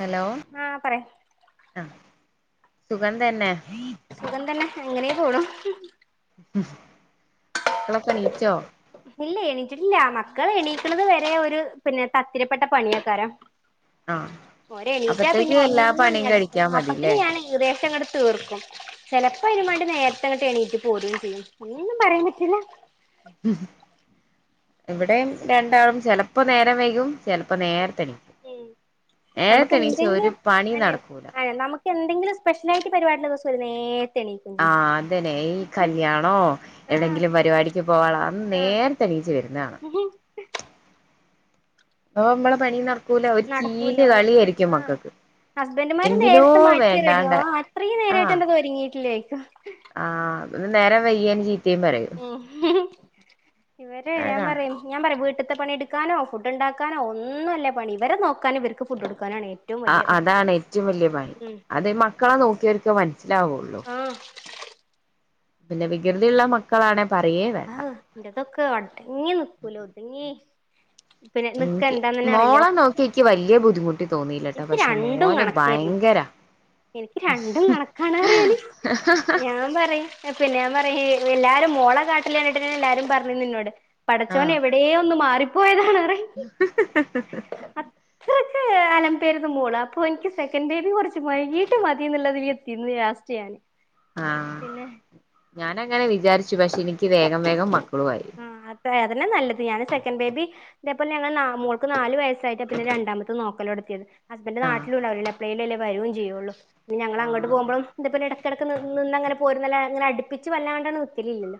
Hello ആഹ് പറയ് ആ സുഖം തന്നെ? സുഖം തന്നെ എങ്ങനെയ പോണു ഉം മക്കളൊക്കെ എണീച്ചോ? ഇല്ല എണീ റ്റിട്ടില്ല മക്കള് എണീക്കണത് വരെ ഒര് പിന്നെ ത‌ക്കിരിപ്പെട്ട പണിഎയ്കാരം ആ ഒരെഎണീറ്റ പിന്നെ അപ്പത്തേക്ക് എല്ലാ ഒന്നും പണിയും ഇങ്ങട് കഴിക്കാ മൊത്തത്തില് മതില്ലേ ഞാൻ ഏകദേശം ഇങ്ങട് തീർക്കും ചെലപ്പോ അയ്‌നും മാണ്ടി നേര ങ്ങ എണീറ്റ് പോരുകയും ചെയ്യും ഒന്നും പറയാൻ പറ്റൂല ഉം ഉ [inaudible] ഇവിടെയും രണ്ടാളും ചെലപ്പോ നേരം വൈകും ചെലപ്പോ നേരത്തെ എണീക്കും ഉം നമുക്ക് നേരത്തെ എണീച്ചാ ഒരു പണി എന്തെങ്കിലു നടക്കൂല നമുക്ക് എന്തെങ്കിലും സ്പെഷ്യല ആയിട്ട് പരിപാടില്ല ദിവസം വ [unintelligible] ആഹ അതന്നെ ഈ കല്യാണോ ആഹ് ആഹ് അമ്മള നടക്കൂലോ ആ മക്കൾക്ക് ഹസ്ബൻഡുമാര് എന്തിനോ നേരത്തെ മാറ്റിയ വേണ്ടാണ്ട റെടിയവാ അത്രയും നേരായിട്ട് എന്താപ്പോ ഒരുങ്ങിയിട്ടില്ലേ ആ ആഹ് ഉം നേരം വ്യഗ്യാലും ജചീ ഉ ഇവരെ ഞാൻ വേഗം പറയും ഞാൻ പറയും വീട്ട ത്തെ പണി എടുക്കാനോ ഫുഡ് ണ്ടാക്കാനോ ഒന്നു അല്ല പണി ഇവരെ നോക്കാന ഇവർക്ക് ഫുഡ് കോട്ക്ക ആ അതാണ് ഏറ്റവും വലിയ പണി ഉം അത് മക്കളെ നോക്കിയർക്ക് മനസ്സിലാവുള്ളു ആഹ് പിന്നെ വികൃതിയുള്ള മക്കളാണെ പറയേ ആ വേണ്ട എന്റെ തൊക്കെ അട്ങ്ങി നിക്കൂല ഒതുങ്ങി പിന്നെ നിക്ക നിക്ക് എന്താന്ന് തന്നെ അറിയില്ല മോള നോക്കിക്ക് വല്യ ബുദ്ധിമു എനിക്ക് രണ്ടും കണക്കേയിരുന്നു ഇൻക്ക് രണ്ടും കണക്കണ അറിയാന് ഞാൻ പറ പിന്നെ ഞാൻ പറ എല്ലാരും മോളെ കാട്ടൽ കണ്ടിട്ട് എല്ലാരും പറഞ്ഞു നിന്നോട് പടച്ചവൻ ആഹ് എവിടെയ ഒന്ന് മാറി പോയതാണ്. [inaudible] ഇത്രക്ക് അലം മോള അപ്പൊ എനിക്ക് സെക്കൻഡ് ബേബി കുറച്ച് വൈകീട്ട് മതി എന്നുള്ളത് [unintelligible] ലാസ്റ്റ് ഞാൻ ആഹ് ഞാനങ്ങനെ വിചാരിച്ച പക്ഷെ എനിക്ക് വേഗം വേഗം മക്കളും ആയി. ആ അത് അതന്നെ നല്ലത് ഞാൻ സെക്കൻഡ് ബേബി ഇതേപോലെ ഞങ്ങള് മോൾക്ക് നാല് വയസ്സായിട്ട് പിന്നെ രണ്ടാമത് നോക്കല് നടത്തിയത്. ഹസ്ബൻഡ് ആഹ് [unintelligible] പ്ളീലല്ലേ വരും ചെയ്യുള്ളൂ. പിന്ന ഞങ്ങളങ്ങോട്ട് ആഹ് പോകുമ്പോഴും എട ഇടക്കിടക്ക് നി നിന്നങ്ങനെ പോരുന്നന്നെ ഇങ്ങനെ അടുപ്പിച്ച് വന്നകണ്ടാനത് ഇല്ലില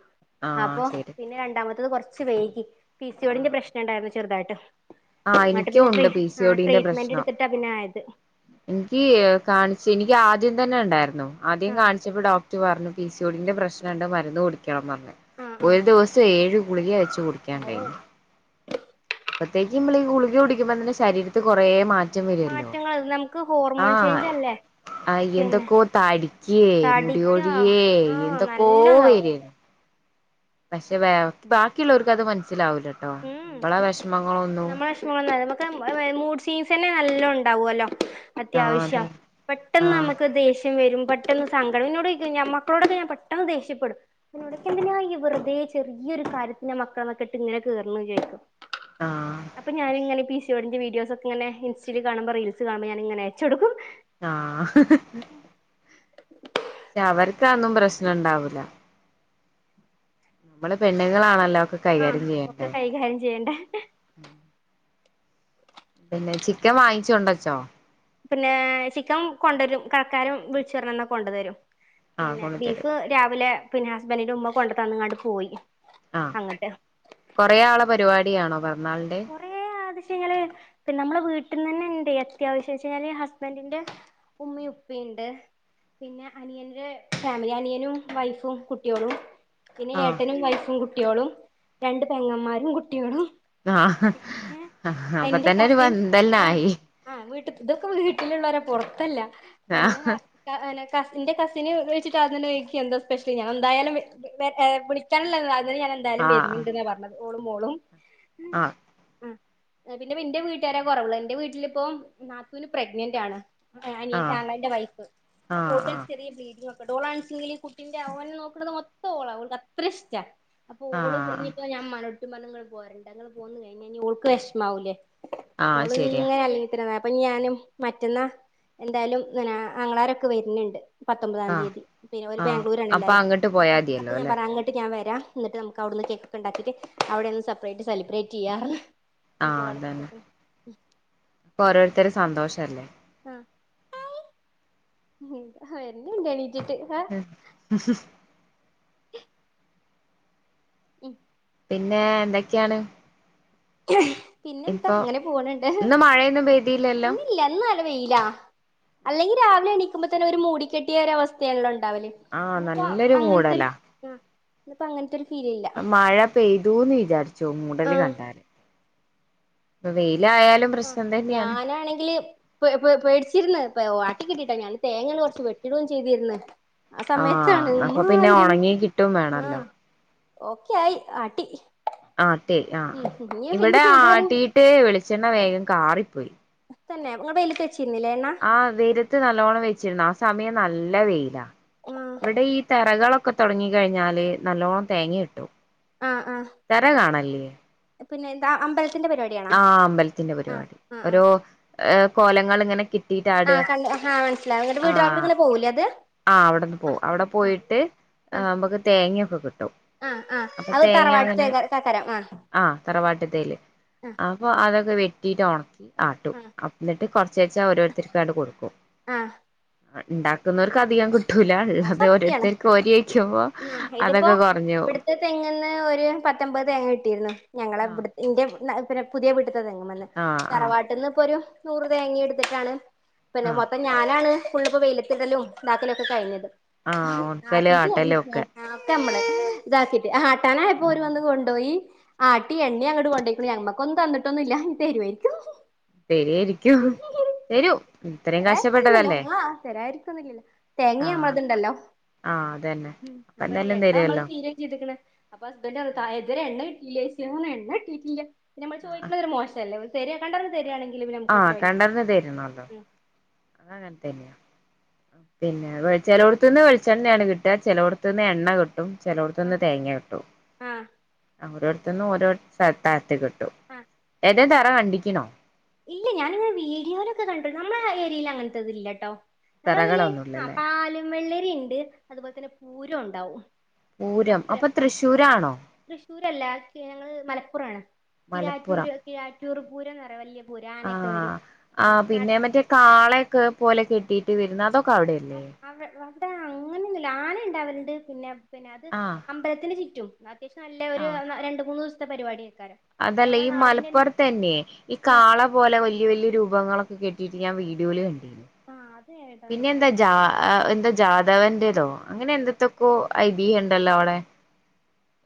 ആഹ് അപ്പൊ ശരി പിന്നെ രണ്ടാമത്തത് കുറച്ച് കുറച്ച് വൈകി പി സി ഓ ഡി ൻ്റെ പ്രശ്നം ഉണ്ടായിരുന്നു. ചെറുതായിട്ട് ആഹ് എന്നട്ട് എനിക്കും പിന്നെ ട്രീ ഉണ്ട് പി സി ഒ ആഹ് ഡിന്റെ ട്രീറ്റ്മെന്റ് പ്രശ്നം എടുത്തിട്ടാ പിന്നെ ആയത്. എനിക്ക് കാണിച്ചു എനിക്ക് ആദ് ദ്യം തന്നെ ഉണ്ടായിരുന്നു ആദ്യം ആ കാണിച്ചപ്പോ ഡോക്ടർ പറഞ്ഞു പി സി ഓ ഡി ൻ്റെ പ്രശ്നുണ്ട് മരുന്ന് കുടി പറഞ്ഞ് ആ ഒരു ദിവസം ഏഴു ഗുളിക വെച്ചു ആ ഓ കുടിക്കാണ്ടായിനി. അപ്പഴത്തേക്ക് നമ്മൾ ഈ ഗുളിക കുടിക്കുമ്പോ തന്നെ ശരീരത്തി കുറേ മാ റ്റം വരുല്ലോ മാറ്റങ്ങൾ നമുക്ക് ഹോർമോൺ ചേഞ്ച് ആഹ് അല്ലേ ആഹ് പിന്നെ എന്തൊക്കോ തടിക്കേ മുടി തടിക്ക കൊഴിയെ ആഹ് എന്തൊക്കോ നല്ലതാവും വരേരുന്നു. പക്ഷെ ബാക്കിയുള്ളവർക്ക് അത് മന ഉം നമ്മളെ വിഷമ നമുക്ക് മൂഡ് സ്വിൻ നല്ലോം ണ്ടാവോലോ ആഹ് അതെ അത്യാവശ്യം പെട്ടെന്ന് ആഹ് നമ്മക്ക് ദേഷ് വരും പെട്ടെന്ന് സങ്കടം എന്നോട് ചോയ്ക്കും മക്കളോടൊക്കെ ഞാൻ പെട്ടെന്ന് ദേഷ്യപ്പെടും അപ്പന്നോട് ചോയ്ക്കും എന്തിനാ ഇയ്യ് വെർതേ ചെറിയൊരു കാര്യത്തിന് മക്കളൊക്കെട്ട് ങ്ങനെ ചീർന്ന് കേക്കും ആഹ് അപ്പോ ഞാനിങ്ങനെ പിഷ് ടിന്റെ വീഡിയോസൊക്കെ ഇങ്ങെനെ ഇൻസ്റ്റയിൽ കാണുമ്പോ റീൽസ് കാണുമ്പോ ഞാനിങ്ങനെ അയച്ചൊടുക്കും. ആഹ് ച്ചാ അവർ ക്കാതൊന്നും പ്രശ്നണ്ടാവൂല. നമ്മള് പെണ്ണുങ്ങളാണല്ലോ ഒക്കെ ആ കൈകാര്യം ഓക്കെ ചെയ്യണ്ടേ കൈകാര്യം ചെയ്യേണ്ടേ. പിന്നെ ചിക്കൻ വാങ്ങിച്ചൊണ്ടച്ചോ? പിന്നേ ചിക്കൻ കൊണ്ടരും കടക്കാരെ വിളിച്ചു പറഞ്ഞന്നാ കൊണ്ടുതരും. ആഹ് പിന്നെ കൊണ്ടുത്തരും ബീഫ് രാവിലെ പിന്നെ ഹസ്ബന്റിന്റെ ഉമ്മ കൊണ്ടു തന്ന്കാണ്ട് പോയി. ആ അങ്ങട്ട് കൊറേ ആളെ പരിപാ ടി ആണോ പെ റന്നാളിന്റെ? കൊറേ [unintelligible] നമ്മളെ വീട്ട്ന്നന്നെ ഇണ്ട് അത്യാവശ്യന്നച്ച് കഴിഞ്ഞാല് ഹസ്ബന്റിന്റെ ഉമ്മയും ഉപ്പയിണ്ട് പിന്നെ അനിയന്റെ ഫാമിലി അനിയനും വൈഫും കുട്ടിയോളും പിന്നെ ആഹ് ഏട്ടനും വൈഫും കുട്ട ട്ടിയോളും രണ്ട് പെങ്ങന്മാരും കുട്ടിയോളും ആഹ് ആ അപ്പൊതന്നെ ഒരു പന്തല്നായി ഇത് ഇതൊക്കെ വീട്ടിലുള്ളോരാ പുറത്തല്ല പിന്നെ ആഹ് [unintelligible] കസിന്റെ കസിൻ വിൾച്ച്‌ട്ട് ആദ്യംതന്നെചോയ്ക്കും എന്ത സ്പെഷ്യൽ ഞാനെന്തായാലും വെ ഏ വിളിക്കണല്ലോ [unintelligible] ഞാനന്തായാലും വെർന്ന്ണ്ട്ന്നപറഞ്ഞത് ഓളും മോളും ആ മ് എ പിന്നെ ഇന്റെ വീട്ടാരാ കുറവുള്ള്‌ ഇന്റെ വീട്ടിലിപ്പം നാത്തുന് പ്രഗ്നന്റ് ആണ് അനിയൻ ആഹ് ആണ്ണന്റവൈഫ് അപ്പോ ആഹ് ഓൾക്ക് ആഹ് ചെറിയ ബ്ലീഡിങ് ഒണ്ട് ങ്ങട്ട്ഓളാണിച്ചെങ്കിൽ കുട്ടിന്റെ ഓനെ നോക്ക്ണത് മൊത്തം ഓള ഓൾക്ക് അത്ര ഇഷ്ട അപ്പൊ ഓള് ആഹ് ഇഞ്ഞിപ്പോ ഞാന്മ്മാനോ പ്പ പറഞ്ഞു നിങ്ങള് പോരണ്ടാന്ന് പോന്നു കഴിഞ്ഞാനി ഓക്ക് വെഷ്മാവൂലേ ആഹ് ഓള് ശരിയാ ഇങ്ങനെ അല്ലെങ്കിൽ തന്നെ അപ്പം ഞാനും മറ്റന്ന എന്തായാലും ആങ്ങളാരൊക്കെ വരുന്നുണ്ട് പത്തൊമ്പതാം ആഹ് തീയതി പിന്നെ ഒരു ആഹ് ബാംഗ്ലൂരാണ് അപ്പൊ എല്ലാരും അങ്ങട്ട് അപ്പ പോയാ അത് മതിയല്ലോ ഞാൻ അല്ലെ പറഞ്ഞ അങ്ങിട്ട് ഞാൻ വരാം എന്നിട്ട് നമു അവിടുന്ന് കേക്കെണ്ടിയിട്ട് അവിടെയിരുന്നു സർപ്രൈസ് സെലിബ്രേറ്റ് ചെയ്യാറ് നീ പോളെ ഉ ഒരോരുത്തരെ സന്തോഷ അല്ലേ വരുന്നുണ്ടടി ളം ഉം പിന്നെ എന്തൊക്കെയാണ് പിന്നെ എന്താ ഇപ്പൊ അങ്ങനെ പോകണണ്ട് ഇന്ന് മഴയൊന്നും പെയ്തില്ലല്ലോ ഇന്നില്ല വെയിലാ അല്ലെങ്കിൽ രാവിലെ എണിക്കുമ്പോ തന്നെ ഒരു മൂടിക്കെട്ടിയ ഒര അവസ്ഥയാണല്ലോ ഒ ഒണ്ടാവല് ആഹ് ഇന്നിപ്പോ നല്ലൊരു അങ്ങനത്തെരു മൂടലാ ആ ഇപ്പൊ അങ്ങനെത്തൊരു മഴ പെയ്തുന്നു വിചാരിച്ചു മൂടല് ആഹ് കണ്ടാല് ഇപ്പൊ വെയില് ആ ഞാനാണെങ്കില് പെ പേടിച്ചിരന്ന് ആട്ടികിട്ടിട്ടോ ഞാാന് തേങ്ങകൾ കെറച്ച് വെട്ടിയിടുകയും ചെയ്തിരിന്ന് ആ അപ്പൊ പിന്നെ ഉണങ്ങി കിട്ടും വേണല്ലോ ഓക്കെയായി ആട്ടി ആട്ടേ ആ ഉം ഇനി ഇനി ഇവടെ പെയ്താലും ആട്ടീയിട്ട് വെളിച്ചെണ്ണ വേഗം കാറിപ്പോയി. തന്നെ ഇങ്ങൾ വെയിലത്ത് വെ ആ വെയിലത്ത് നല്ലോണം വെച്ചിരുന്നാ സമയം നല്ല വെയിലാ ആഹ് ഇവിടെ ഈ തറകളൊ ഒക്കെ തൊടങ്ങി കഴിഞ്ഞാല് നല്ലോണം തേങ്ങ കിട്ടും ആഹ് ആഹ് തെറ കാണല്യേ പിന്നെ എന്താ അമ്പല ആഹ് അമ്പലത്തിന്റെ പരിപാടി ആഹ് ഒരു ആഹ് ഏഹ് കോലങ്ങള് ഇങ്ങനെ കെ കെട്ടിയിട്ടാടാ ആഹ് കണ്ട് ആഹ് മനസ്സിലായി ഇങ്ങട്ട് ആ വീട്ട്കാർക്ക് ഇങ്ങനെ പോവൂലേ അത് ആ അവിടെന്ന് പോ ആഹ് അവിടെ ആഹ് പോയിട്ട് ആഹ് ഏഹ് ഇമക്ക് തേങ്ങയൊക്കെ കിട്ടും ആഹ് ആഹ് അപ്പൊ അത് തേങ്ങ തറവാട്ട്ത്തെ അങ്ങനെ കക്കാരം ആഹ് ആ തറവാട്ട് ത്തേയില് ആഹ് അപ്പൊ അതൊ അത് വെട്ടിയിട്ട് ഒണക്കി ആട്ടും ആഹ് അന്നിട്ട് കൊറച്ചേശെ ഓരോരുത്തർക്കാട് കൊടുക്കും ആഹ് ഏഹ് ഇണ്ടാക്കുന്നവർക്ക് അധികം കിട് അ സത്യാണ് ആഹ് ഇതിപ്പോ അതൊക്കെ കൊറഞ്ഞു പോവും ഇവിടുത്തെ തെങ്ങ്ന്ന് ഒരു പത്തമ്പത് തേങ്ങ കിട്ടിയിരുന്നു ഞങ്ങള ആഹ് ഇവിട് ഇന്റെ [unintelligible] പിന്നെ പുതിയ വീട്ടി തെങ്ങിമ്ന്ന് ആഹ് ആഹ് തറവാട്ടിന്ന് ഇപ്പൊരു നൂറ് തേങ്ങ എടുത്തിട്ടാണ് പിന്നെ ആഹ് മൊത്തം ഞാനാണ് ഫുള്ളിപ്പോ വെയിലത്തിടലും ഇതാക്കലും ഒക്കെ കഴിഞ്ഞത്. ആഹ് ഒണക്കല് ആട്ടിയിട്ടില്ല ആട്ടലും ഒക്കെ [unintelligible] [unintelligible] ഇതാക്കിട്ട് ആട്ടാനായപ്പോ ഓരു വന്ന് കൊണ്ടോയി, ആട്ടി എണ്ണയും അങ്ങ്ട് കൊണ്ടോയിക്കണു ഞമ്മക്കൊന്നും തന്നിട്ടൊന്നും ഇല്ല ഇനി തരുവേരിക്കും തെരേരിക്കും തരാരിക്വോന്നില്ലല്ലോ, ആ തരാ തന്നില്ലല്ലോ. തേങ്ങ ആഹ് നമ്മളത്ണ്ടല്ലോ ആഹ് അതന്നെ അപ്പ അപ്പൊ എന്തായാലും എണ്ണ തരുവല്ലോ നമ്മളത് തീരേ ചെയ്തിക്ക്ണ്. അപ്പൊ ഹസ്ബൻഡ് പറഞ്ഞു [unintelligible] ഇത്വരെ എണ്ണ കിട്ടീല്ലേച്ചു, ഞാൻ പറഞ്ഞു എണ്ണ കിട്ടിട്ടില്ല ഞമ്മള് ചോദിക്കണത് ഒരു മോശല്ലേ ശരിയാ, കണ്ടറിഞ്ഞു തെരാണെങ്കി ആ കണ്ടറിഞ്ഞുതെരണോല്ലോ. പിന്നെ വെളി ചെലവെടത്തുന്ന് വെളിച്ചെണ്ണയാണ് കിട്ടുക ചെലവെടത്ത്ന്ന് എണ്ണ കിട്ട ട്ടും ചെലോടത്തുന്ന് തേങ്ങ കിട്ടും ആഹ് അവര എന്നു ഓരോരുത്തടുത്തായിട്ട് കി ട്ടും ആഹ് ആഹ് ഏ തെ തറ കണ്ടിക്കണോ? ഇല്ല ഞാനിങ്ങനെ വീഡിയോലൊക്കെ കണ്ട നമ്മള ആ ഏരിയയിൽ അങ്ങനത്തെ ഇത് ഇല്ലാട്ടോ നമ്മളതില് ആ തറകളൊന്നുല്ലല്ലേ പാലും വെള്ളി ക്കെണ്ട് അതുപോലെ തന്നെ പൂരം ഒണ്ടാവും. പൂരം അത്ര അപ്പൊ ആ തൃശ്ശൂരാണോ തൃശ്ശൂരല്ല ഞങ്ങള് മലപ്പുറാണ് കിഴാറ്റൂര് കിഴാറ്റൂർ പൂരംന്ന് പറയാ വല്ല്യ ആ ആ പിന്നെ മറ്റേ കാളയൊക്കെ പോലെ കേറ്റിട് വരുന്നെതൊ അ അ [unintelligible] അങ്ങനെന്നുല്ല ആന ഉണ്ട് അവരുടെ പിന്നെ പിന്നെ അത് ആഹ് അമ്പലത്തിന് ചുറ്റും അത്യാവശം നല്ല ഒരു രണ്ട് മൂന്ന് ദിവസ താ പരിപാടി അതല്ലേ ഈ മലപ്പുറത്ത് തന്നെ ഈ ആ കാള പോലെ വലിയ വലിയ രൂപങ്ങളൊക്കെ കെട്ടിട്ട് ഞാൻ വീഡിയോൽ കണ്ടി ആ അത് ഏതാന്ന് പിന്നെ എന്താ ജാ എനിക്കറിയില്ലട്ടോ എന്താ ജാദവന്റേതോ അങ്ങനെ എന്തത്തക്കോ ഐതിഹ്യ ഉണ്ടല്ലോ അവിടെ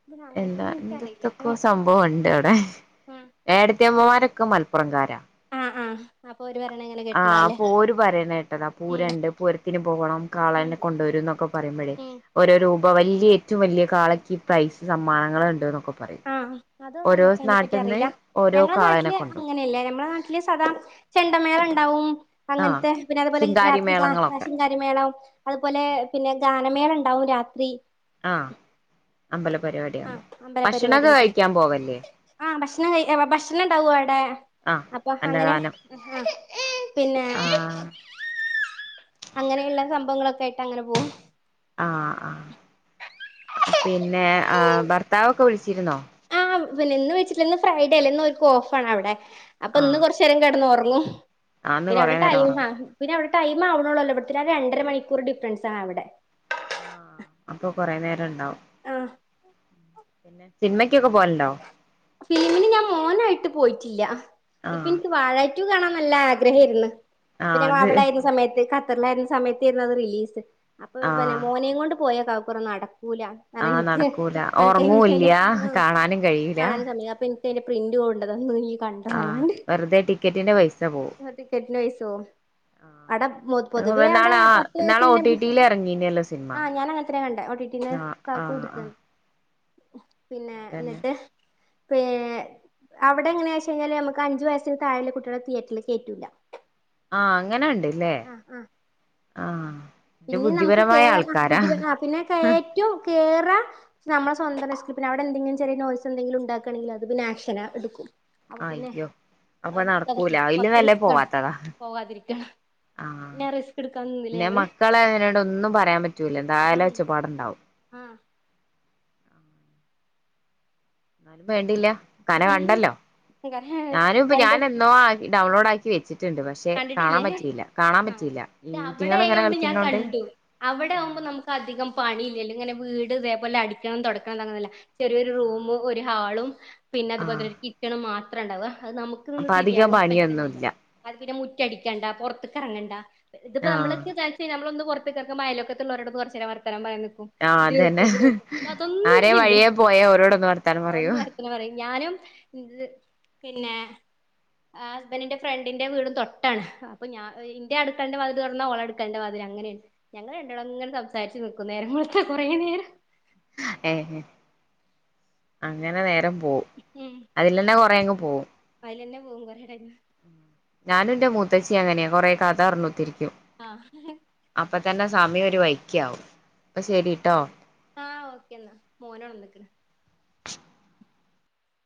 പിന്നെ എന്താ അങ്ങനത്തൊന്നും എനിക്കറിയില്ലട്ടോ എന്തത്തക്കൊ സംഭവുണ്ട് അവിടെ ഉം ഏട്ടത്തി അമ്മമാരൊ ക്ക മൽപ്പുറങ്കാര അ അ ആഹ് പോര് പറയണ കേട്ടതാ ഉം പൂരണ്ട് പൂരത്തിന് പോകണം ഉം കാളന്നെ കൊണ്ടുവരും എന്നൊക്കെ പറയുമ്പോഴേ ഉം ഓരോ രു ഇപ്പ വലിയ ഏറ്റവും വലിയ കാളക്ക് ഈ പ്രൈസ് സമ്മാനങ്ങളൾ ഉണ്ടെന്നു ആഹ അതൊ അതിനെ പറ്റി അറിയില്ല ഓരോ ഞങ്ങളെ കാളേനെ നാട്ടില് കൊണ്ടും അങ്ങനെയല്ല ഞമ്മെ നാട്ടി സദാ ചെണ്ടമേളം ഉണ്ടാവും ആഹ് അങ്ങനത്തെ പിന്നെ അതുപോലെ ചിങ്കാരി രാത്രി ഗ മേളങ്ങളൊക്കെ ഷിങ്കാരിമേളം അതു പോലെ പിന്നെ ഗ ഗാന മേളം ഉണ്ടാവും രാത്രി ആ ആ അമ്പല പരിപാടിയായിട്ട് കഴിക്കാൻ പോവല്ലേ ആ ഭക്ഷണം കഴിക്കാൻ ഭക്ഷണം ഉണ്ടാവും അവിടെ ആഹ് അപ്പൊ അങ്ങനെ അന്നദാനം ആ പിന്നെ ആഹ് അങ്ങനെയുള്ള സംഭവങ്ങളൊക്കെ കേട്ട് അങ്ങനെ പോകും ആ ആ പിന്നെ ആ ഭർത്താവ് ക്ക വിളിച്ചിരുന്നോ ആ പിന്നെ ഇന്ന് വിളിച്ചിട്ടില്ല. ഇന്ന് ഫ്രൈഡേ അല്ലേ ന്ന് ഓർക്ക് ഓഫ് ആണ് അവിടെ അപ്പൊ ഇന്ന് ആഹ് കൊറച്ച നേരം കടന്നു റ - ങ്ങും ആന്ന് പിന്നെ കൊറേ അവിടെ നേരം ടൈം ആ ഒറങ്ങും പിന്നെ അവിടെ ടൈം ആവ്ണോ ഉള്ളു. ഇവിടെ തേക്കാളും രണ്ടര മണിക്കൂർ ഡിഫറൻസ് ആണ് അവിടെ ആഹ അപ്പൊ കൊറേ നേരം ഉണ്ടാവും ആഹ സിനിമയ്ക്കൊക്കെ പോവലുണ്ടോ ഫിലിമിന് ഞാൻ മോനായിട്ട് പോയിട്ടില്ല ഇപ്പൊ ആഹ് എനിക്ക് വാഴ കാണാൻ നല്ല ആഗ്രഹേരുന്ന് അപ്പ ആഹ് ഞങ്ങ-ൾ അത് അവിടെ ആയിരുന്ന സമയത്ത് യിരുന്ന സമയത്തായിരുന്നു അതിന്റെ റിലീസ് അപ്പൊ പിന്നെ ആഹ് മോനേയും കൊണ്ട് പോയേക്കാം കൊറെ നടക്കുമ്പോ - ആഹ് നടക്കൂലാ എനിക്കതിന്റെ ഉറങ്ങൂല്ലാ ആഹ് കാണാനും കഴിയൂ കാണാൻ സമയാ പി ഇതിന്റെ പ്രിന്റ് പോണ്ടതാ [unintelligible] കണ്ട ആഹ് [unintelligible] വെറുതെ ടിക്കറ്റിന്റെ പൈസ പോവും ടിക്കറ്റിന് വയസ്സോ, അത് ആഹ് പൊതുവേ അവിടെ ഇന്നാള് ആഹ് പത്ത് ഇന്നാള് ഒ വയസ്സിള്ള ടി ടിയിൽ എറങ്ങീനല്ലോ സിനിമ ആഹ് ഞാൻ അങ്ങനത്തന്നെ കണ്ടേ ഓട്ടിട്ടീന്ന് ആഹ് കൊടുത്ത പിന്നെ അതന്നെ എന്നിട്ട് പി അവിടെ എങ്ങനെയാച്ചഴിഞ്ഞാല് ഞമക്ക് അഞ്ചു വയസ്സിന് താഴെ ഇള്ള കുട്ടികളെ തിയേറ്ററില് കേറ്റൂല്ല ആഹ് അങ്ങനെണ്ട്ല്ലേ ആഹ് ഇത് പിന്നെയും നമുക്ക് ബുദ്ധിപരമായ കേറാ ആൾക്കാരാ ബുദ്ധിപരാ പിന്നെ കയറ്റും കേറാ നമ്മളെ സ്വന്തം റിസ്ക് പിന്നെ അവിടെ എന്തെങ്കിലും ചെറിയ നോയിസ് എന്തെങ്കിലും ഉണ്ടാക്കാണെങ്കില് അത് പിന്നെ ആക്ഷനാ എടുക്കും. അപ്പൊ പിന്നെ അയ്യോ അപ്പൊ നടക്കൂല അയിലും കൊറച്ച് നല്ലേ റിസ്കാണ് പോവാത്തതാ പോവാതിരിക്കാ, പിന്നെ റിസ്ക് എടുക്കാൻ നിന്നില്ല ഞങ്ങള് ക്കളെ അതിനേണ്ടും ഒന്നും പറയാൻ പറ്റൂല എന്തായാലും ആഹ് ഒച്ചപ്പാടുണ്ടാവും എന്നാലും വേണ്ടീല്ല ക്കാന ആഹ് കണ്ടല്ലോ ഞാനും ഇപ്പ ഞാൻ എന്നോ ഡൗൺലോഡാക്കി വെച്ച് കണ്ടിട്ടില്ലേ പറ്റിയില്ല ഈ ആ അവിടെ ഈറ്റിങ്ങൾ ഇങ്ങനെ ആയോണ്ട് ഞാൻ കളിക്കുന്നോണ്ട് കണ്ടു, അവിടെ ആഹ് ആവുമ്പോ നമുക്ക് അധികം പണിയില്ലല്ലോ ഇങ്ങനെ വീട് ഇതേപോലെ അടിക്കണം തൊടക്കണം എന്താനൊന്നും അല്ല ചെറിയൊരു റൂമ് ആഹ് ഒരു ഹാളും പിന്നെ അതുപോലെ ആഹ് തന്നെ ഒരു കിച്ചണും മാ ത്രേ ഇണ്ടാവ അത് നമുക്ക് നിന്ന് അപ്പൊ തിരിയാള്ള അധികം [unintelligible] പണിയൊന്നുല്ല പിന്നെ മുറ്റടിക്കണ്ട പൊറത്ത്ക്ക് അറങ്ങണ്ട ഇത്പ്പ ആഹ് നമ്മളൊക്കെ [unintelligible] നമ്മളൊന്നു കൊർ ത്ത്ക്കർക്കുമ്പൊ അയലൊക്കത്ത് ള്ളോരോടൊന്ന് കൊറച്ചേരം വർത്താനം പറയാൻ നി ആഹ് അതന്നെ ആരെ ഇല്ലല്ലോ വയ്യേ പോയാ ഓരോടൊന്ന് വർത്താനം അതൊന്നും പറയും വർത്താനം പറയും ഞാനും ഇത് പിന്നെ ഹസ്ബൻഡിന്റെ ഫ്രണ്ടിന്റെ വീട് തൊട്ടാണ് അപ്പൊ ഞാ ഇന്റെ അട്ക്കൾന്റെ വാതില് തൊറന്നാൽ ഓളെ അട്ക്കൾന്റെ വാതില് അങ്ങനെയാണ് ഞങ്ങൾ രണ്ടാളും അങ്ങനെ സംസാരിച്ച് നിക്കും നേരം വെൾത്താ കൊറേ നേരം ഏ അങ്ങനെ നേരം പോവും ഉം അതിലെന്നെ കൊറെയങ്ങ് പോവും [unintelligible] ഞാനും ഇന്റെ മൂത്തിച്ചി അങ്ങനെയാ കൊറെ കഥ പറഞ്ഞ് കുത്തിരിക്കും ആ പ്പതന്നെ സമയം ഒരു വൈക്കാവും അപ്പൊ ശരിട്ടോ ആഹ ഓക്കെ ന്നാ മോൻ ഒൺന്ന്ക്ക്ണ്